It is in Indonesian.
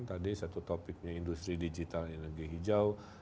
tadi satu topiknya industri digital energi hijau